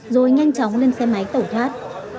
rồi nhanh chóng lên xe máy tẩu thoát